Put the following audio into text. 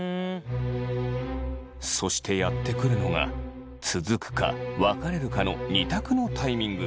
そしてやって来るのが続くか別れるかの２択のタイミング。